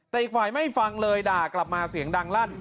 แต่อีกฝ่ายไม่ฟังเลยด่ากลับมาเสียงดังลั่น